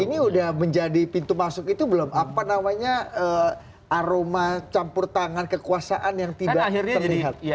ini sudah menjadi pintu masuk itu belum apa namanya aroma campur tangan kekuasaan yang tidak terlihat